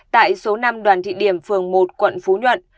tại số năm đoàn thị điểm phường một quận phú nhuận